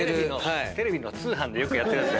テレビの通販でよくやってるやつ。